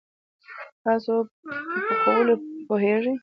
تاسو په پخولوو پوهیږئ؟